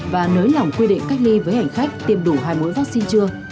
và nới lỏng quy định cách ly với hành khách tiêm đủ hai mũi vaccine chưa